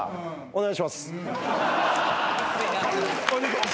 お願いします。